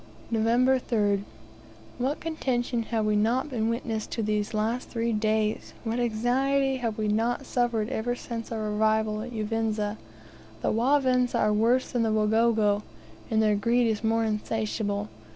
November 3rd. What contention have we not been a witness to these last three days! What anxiety have we not suffered ever since our arrival in Uvinza! The Wavinza are worse than the Wagogo, and their greed is more insatiable.